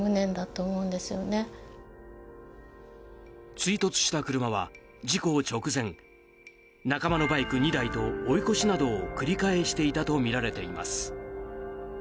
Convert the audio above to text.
追突した車は事故直前仲間のバイク２台と追い越しなどを繰り返していたとみられています。